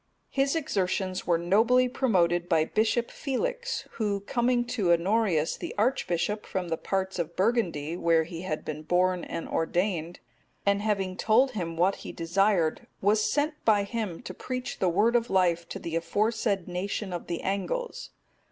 His exertions were nobly promoted by Bishop Felix,(248) who, coming to Honorius, the archbishop,(249) from the parts of Burgundy, where he had been born and ordained, and having told him what he desired, was sent by him to preach the Word of life to the aforesaid nation of the Angles.